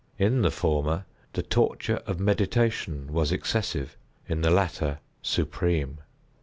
In the former, the torture of meditation was excessive—in the latter, supreme.